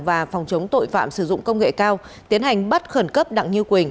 và phòng chống tội phạm sử dụng công nghệ cao tiến hành bắt khẩn cấp đặng như quỳnh